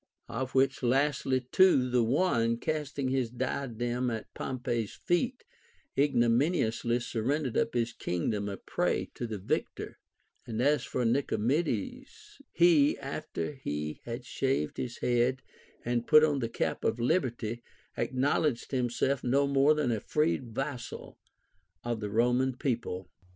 Of which last two, the one, casting his diadem at Pompey's feet, ignominiously surrendered up his kingdom a prey to the victor ; and as for Nicomedes, he, after he had shaved his head and put on the cap of liberty, acknowledged himself no more than a freed vassal of the Roman people.